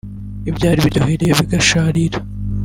ibyari biryohereye bigasharira